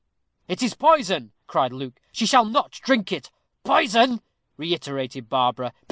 "It is poison," cried Luke. "She shall not drink it." "Poison!" reiterated Barbara.